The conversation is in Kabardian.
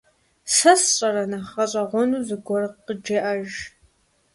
Сэ сщӀэрэ, нэхъ гъэщӀэгъуэну зыгуэр къыджеӀэж.